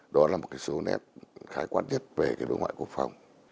đó là một số nét khái quán nhất về đối ngoại quốc phòng